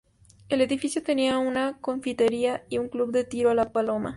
El edificio tenía una confitería y un club de tiro a la paloma.